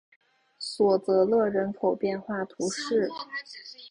索泽勒人口变化图示